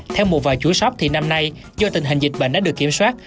theo một vài chú shop thì năm nay do tình hình dịch bệnh đã được kiểm soát